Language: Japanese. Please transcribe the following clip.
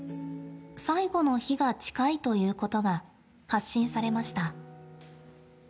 最期の日が近いということが発信されました。